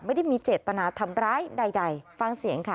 ไม่ได้มีเจตนาทำร้ายใดฟังเสียงค่ะ